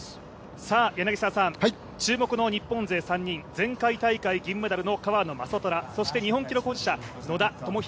注目の日本勢３人、前回大会銀メダルの川野将虎そして日本記録保持者・野田明宏